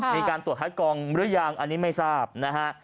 มีการตรวจคัดกองหรือยังอันนี้ไม่ทราบนะฮะ